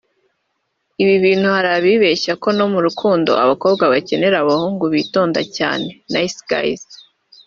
Ibi bituma hari abibeshya ko no mu rukundo abakobwa bakeneye abahungu bitonda cyane (nice guys)